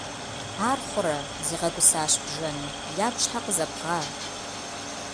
- Ар хъурэ! - зигъэгусащ бжэным. - Ягу щхьэ къызэбгъа?